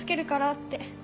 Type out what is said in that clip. って。